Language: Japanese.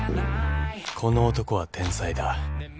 ［この男は天才だ］